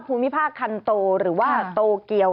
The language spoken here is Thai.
ภูมิภาคคันโตหรือว่าโตเกียว